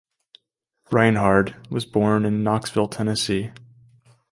Reinhardt was born in Knoxville, Tennessee.